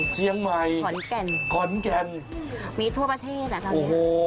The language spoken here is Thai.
เชียงใหม่ขอนแก่นมีทั่วประเทศนะครับเท่านี้โอ้โฮ